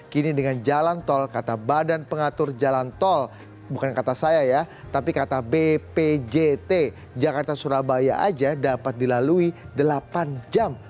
kini dengan jalan tol kata badan pengatur jalan tol bukan kata saya ya tapi kata bpjt jakarta surabaya aja dapat dilalui delapan jam